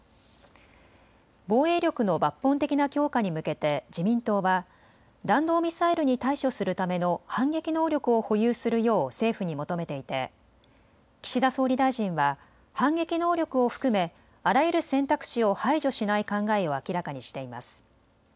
防衛力の抜本的な強化に向けて自民党は弾道ミサイルに対処するための反撃能力を保有するよう政府に求めていて岸田総理大臣は反撃能力を含めあらゆる選択肢を排除しない考えを明らかにしています。